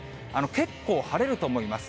結構晴れると思います。